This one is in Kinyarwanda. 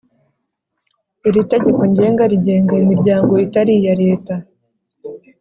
Iri tegeko ngenga rigenga imiryango itari iya Leta